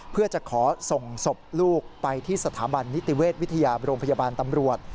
เพื่อจะขอส่งศพลูกไปที่สถาบันนิติเวชวิทยาโรงพยาบาลตำรวจ